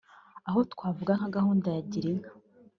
Aho twavuga nka gahunda ya gira inka